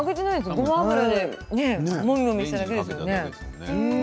ごま油でもみもみしただけですよね。